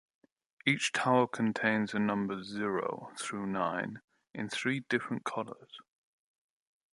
Each tower contains the numbers zero through nine in three different colors.